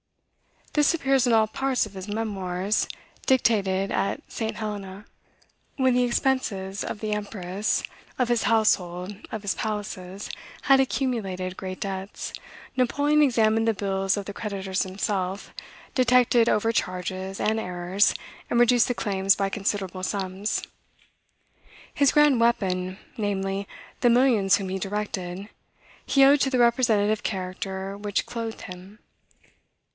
This appears in all parts of his Memoirs, dictated at St. Helena. When the expenses of the empress, of his household, of his palaces, had accumulated great debts, Napoleon examined the bills of the creditors himself, detected overcharges and errors, and reduced the claims by considerable sums. His grand weapon, namely, the millions whom he directed, he owed to the representative character which clothed him.